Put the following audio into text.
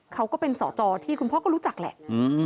เขาก็เป็นสอจอที่คุณพ่อก็รู้จักแหละ